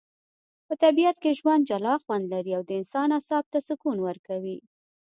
په طبیعت کي ژوند جلا خوندلري.او د انسان اعصاب ته سکون ورکوي